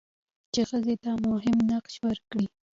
چې ښځې ته مهم نقش ورکړي؛